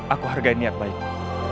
aku hargai niat baikmu